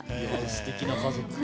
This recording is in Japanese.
すてきな家族。